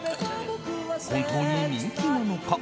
本当に人気なのか？